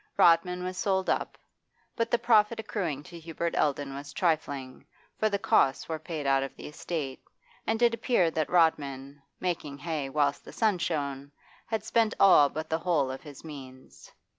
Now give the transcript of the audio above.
Rodman was sold up; but the profit accruing to Hubert Eldon was trifling, for the costs were paid out of the estate, and it appeared that Rodman, making hay whilst the sun shone, had spent all but the whole of his means.